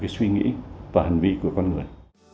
cái suy nghĩ và hành vi của con người